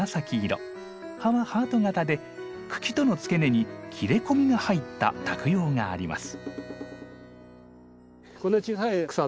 葉はハート形で茎との付け根に切れ込みが入った托葉があります。